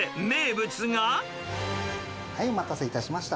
はい、お待たせいたしました。